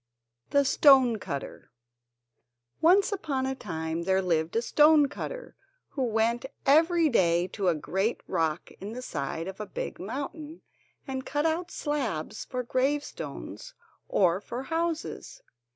] The Stone Cutter Once upon a time there lived a stone cutter, who went every day to a great rock in the side of a big mountain and cut out slabs for gravestones or for houses.